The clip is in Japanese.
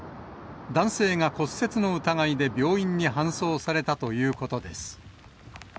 男性が骨折の疑いで病院に搬送されたということです。